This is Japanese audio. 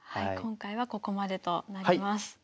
今回はここまでとなります。